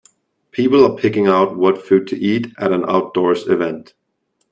People are picking out what food to eat at an outdoors event